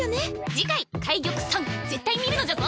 次回「懐玉−参−」絶対見るのじゃぞ。